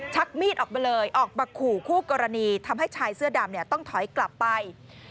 มีดออกมาเลยออกมาขู่คู่กรณีทำให้ชายเสื้อดำต้องถอยกลับไป